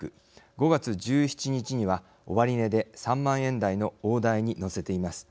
５月１７日には、終値で３万円台の大台に乗せています。